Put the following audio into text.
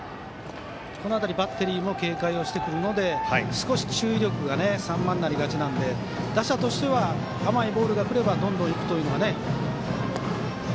この辺りバッテリーも警戒してくるので少し注意力が散漫になりがちなので打者としては甘いボールが来ればどんどんいくというね。